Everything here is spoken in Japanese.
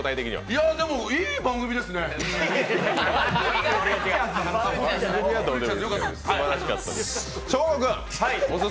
いや、でもいい番組ですね、うん。